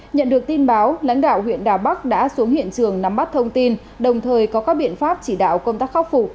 nhận được tin báo lãnh đạo huyện đà bắc đã xuống hiện trường nắm bắt thông tin đồng thời có các biện pháp chỉ đạo công tác khắc phục